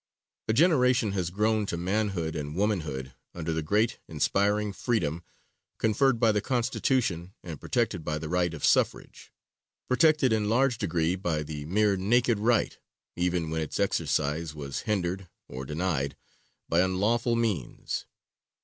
A generation has grown to manhood and womanhood under the great, inspiring freedom conferred by the Constitution and protected by the right of suffrage protected in large degree by the mere naked right, even when its exercise was hindered or denied by unlawful means.